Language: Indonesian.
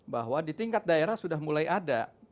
bahwa di tingkat daerah sudah mulai ada